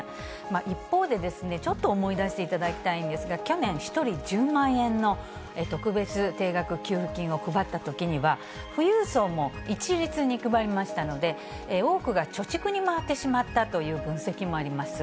一方で、ちょっと思い出していただきたいんですが、去年、１人１０万円の特別定額給付金を配ったときには、富裕層も一律に配りましたので、多くが貯蓄に回ってしまったという分析もあります。